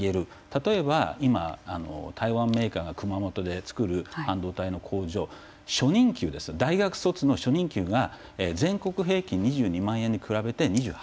例えば今台湾メーカーが熊本で作る半導体の工場初任給ですよ大学卒の初任給が全国平均２２万円に比べて２８万円と。